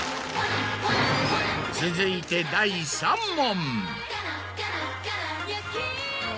続いて第３問。